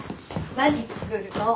何作るの？